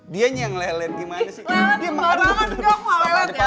dianya yang lelet gimana sih